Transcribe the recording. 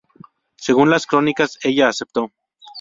Según las crónicas ella acepto.